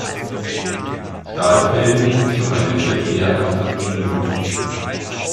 Stahlfelgen rutschen bei Nässe mehr als Aluminium.